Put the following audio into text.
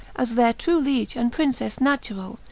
As their true Liege and PrincefTe naturall